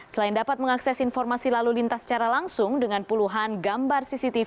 selain dapat mengakses informasi lalu lintas secara langsung dengan puluhan gambar cctv